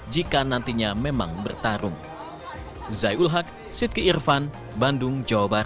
jika nantinya memang bertarung